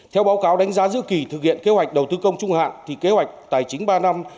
theo báo cáo đánh giá giữa kỳ thực hiện kế hoạch đầu tư công trung hạn thì kế hoạch tài chính ba năm